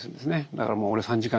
だからもう俺３時間